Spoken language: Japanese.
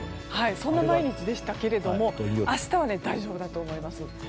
そんな毎日でしたが明日は大丈夫だと思います。